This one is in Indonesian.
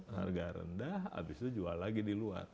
harga rendah habis itu jual lagi di luar